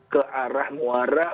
ke arah muara